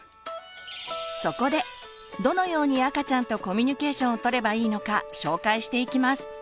そこでどのように赤ちゃんとコミュニケーションをとればいいのか紹介していきます。